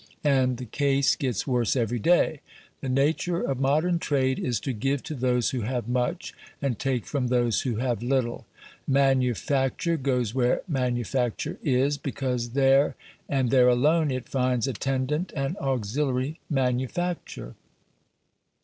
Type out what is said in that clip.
And the case gets worse every day. The nature of modern trade is to give to those who have much and take from those who have little. Manufacture goes where manufacture is, because there and there alone it finds attendant and auxiliary manufacture.